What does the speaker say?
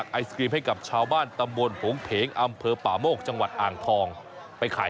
เครื่องใส่ได้เองตามอำเภอใจเลย